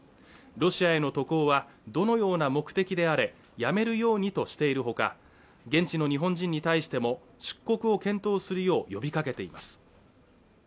ロシアへの渡航はどのような目的であれやめるようにとしているほか現地の日本人に対しても出国を検討するよう呼びかけています